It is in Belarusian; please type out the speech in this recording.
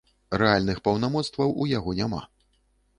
Рэальных паўнамоцтваў у яго няма.